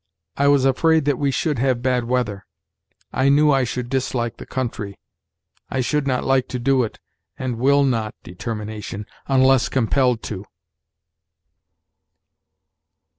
"I was afraid that we should have bad weather." "I knew I should dislike the country." "I should not like to do it, and will not [determination] unless compelled to."